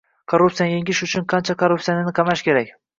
Korrupsiyani yengish uchun qancha korrupsionerni qamash kerak?